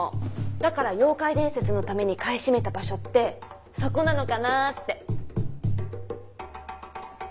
だから妖怪伝説のために買い占めた「場所」ってそこなのかなーって。